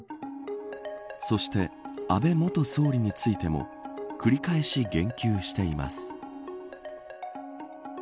そして、安倍元総理についても繰り返し言及しています。